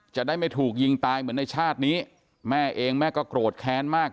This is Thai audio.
จะได้ไม่ถูกยิงตายเหมือนในชาตินี้แม่เองแม่ก็โกรธแค้นมาก